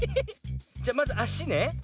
じゃまずあしね。